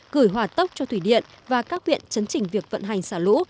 gửi hòa tốc cho thủy điện và các huyện chấn chỉnh việc vận hành xả lũ